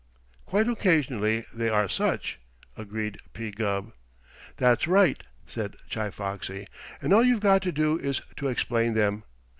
"Quite occasionally they are such," agreed P. Gubb. "That's right," said Chi Foxy. "And all you've got to do is to explain them.